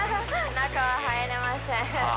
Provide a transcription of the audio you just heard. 中は入れません。